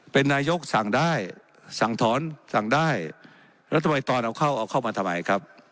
เป็นนายกสั่งได้สั่งถอนสั่งได้แล้วทำไมตอนเอาเข้าเอาเข้ามาทำไมครับ